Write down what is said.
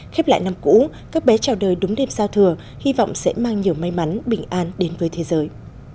khép lại năm cũ các bé trào đời đúng đêm giao thừa hy vọng sẽ mang nhiều may mắn bình an đến với thế giới